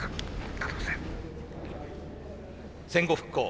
戦後復興